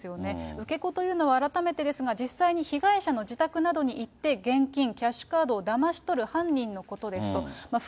受け子というのは改めてですが、実際に被害者の自宅などに行って、現金、キャッシュカードをだまし取る犯人のことですと。